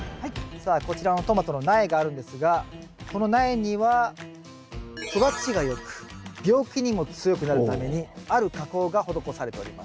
さあこちらのトマトの苗があるんですがこの苗には育ちがよく病気にも強くなるためにある加工が施されております。